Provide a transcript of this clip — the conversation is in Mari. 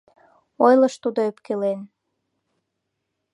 Ойлыш тудо ӧпкелен: